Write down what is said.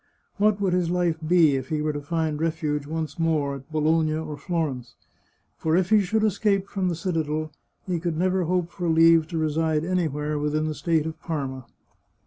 What would his life be if he were to find refuge, once more, at Bologna or Florence ? For if he should escape from the citadel, he could never hope for leave to reside anywhere 363 The Chartreuse of Parma within the state of Parma.